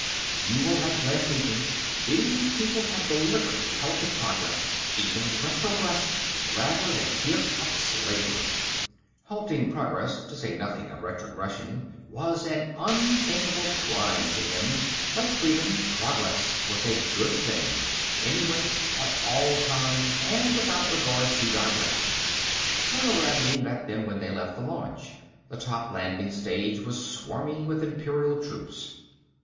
"You were right, last evening. These people have deliberately halted progress, even retrogressed, rather than give up slavery." Halting progress, to say nothing of retrogression, was an unthinkable crime to him. Like freedom, progress was a Good Thing, anywhere, at all times, and without regard to direction. Colonel Ravney met them when they left the launch. The top landing stage was swarming with Imperial troops.